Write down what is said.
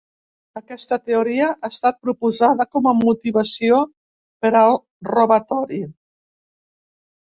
Aquesta teoria ha estat proposada com una motivació per al robatori.